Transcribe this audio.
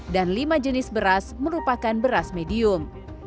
dan lima jenis beras merupakan beras medium